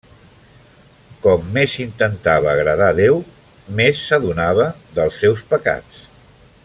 Com més intentava agradar Déu, més s'adonava dels seus pecats.